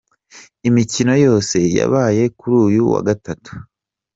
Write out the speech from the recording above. Imikino yose yabaye kuri uyu wa Gatatu:.